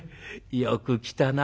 よく来たな」。